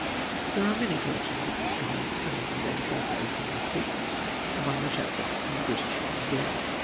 There are many collections of this kind, some of them dating back to 1806, among the chapbooks in the British Museum.